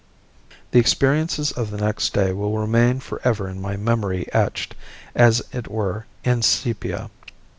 The experiences of the next day will remain for ever in my memory etched, as it were, in sepia.